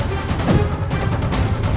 aku akan menang